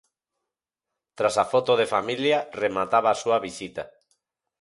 Tras a foto de familia, remataba a súa visita.